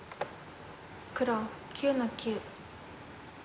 黒９の九。